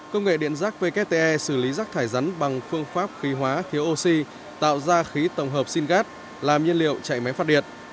công nghệ điện rác wt xử lý rác thải rắn bằng phương pháp khí hóa thiếu oxy tạo ra khí tổng hợp sinh gat làm nhiên liệu chạy máy phát điện